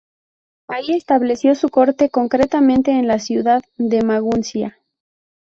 Ahí estableció su corte, concretamente en la ciudad de Maguncia.